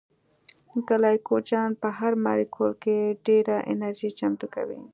ګلایکوجن په هر مالیکول کې ډېره انرژي چمتو کوي